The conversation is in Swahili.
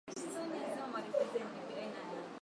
tuseme cha upizani vinaweza kuwa vingi lakini unakua na